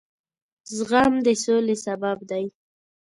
زغم د سولې سبب دی.